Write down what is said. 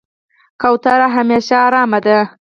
کوتره همیشه آرامه ده.